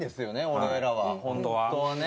俺らは本当はね。